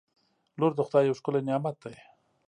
• لور د خدای یو ښکلی نعمت دی.